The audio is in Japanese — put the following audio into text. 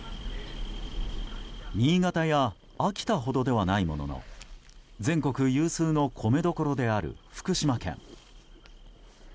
新潟や秋田ほどではないものの全国有数の米どころである福島県。